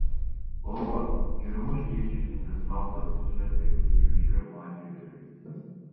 Ооба, Жармуш иш жүзүндө салттык сюжеттик түзүлүшкө маани бербейт.